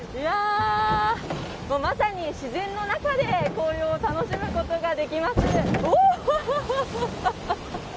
まさに、自然の中で紅葉を楽しむことができます。